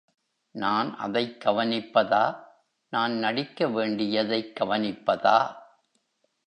நான் அதைக் கவனிப்பதா, நான் நடிக்க வேண்டியதைக் கவனிப்பதா?